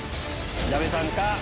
矢部さんか？